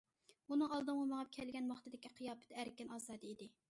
ئۇنىڭ ئالدىمغا مېڭىپ كەلگەن ۋاقتىدىكى قىياپىتى ئەركىن- ئازادە ئىدى.